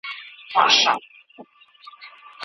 د څيړني هدف له موضوع پراخ وي.